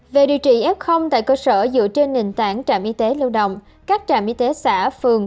về điều trị f tại cơ sở dựa trên nền tảng trạm y tế lưu động các trạm y tế xã phường